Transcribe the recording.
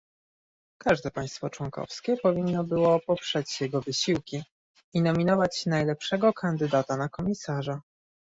Każde państwo członkowskie powinno było poprzeć jego wysiłki i nominować najlepszego kandydata na komisarza